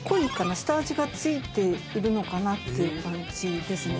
下味がついているのかなっていう感じですね